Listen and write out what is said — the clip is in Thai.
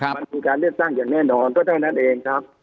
มันมีการเลือกตั้งอย่างแน่นอนก็เท่านั้นเองครับ